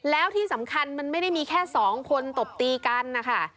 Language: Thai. แล้วที่สำคัญมันไม่ได้มีแค่สองคนตบตีกันนะคะ